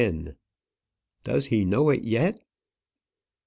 DOES HE KNOW IT YET?